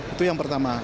itu yang pertama